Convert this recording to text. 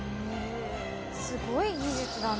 すごい技術だな。